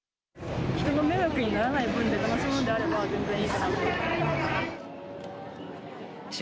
人の迷惑にならない分で楽しむんであれば、全然いいかなと思います。